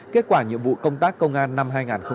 kết quả nhiệm vụ công tác công an năm hai nghìn một mươi chín